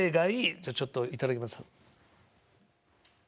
じゃあちょっといただきます。